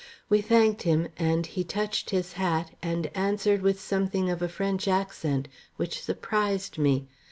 We thanked him, and he touched his hat and answered with something of a French accent, which surprised me.